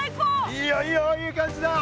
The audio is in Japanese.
いいよいいよいい感じだよ。